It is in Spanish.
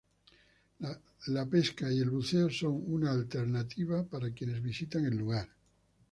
La pescar y el buceo son una alternativa para quienes visitan el lugar.